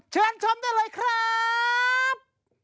เชิญชมได้เลยครับ